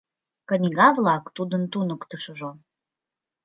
Книга-влак — тудын туныктышыжо.